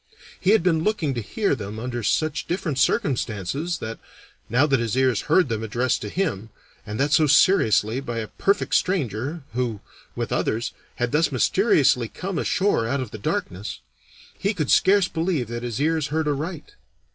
He had been looking to hear them under such different circumstances that, now that his ears heard them addressed to him, and that so seriously, by a perfect stranger, who, with others, had thus mysteriously come ashore out of the darkness, he could scarce believe that his ears heard aright.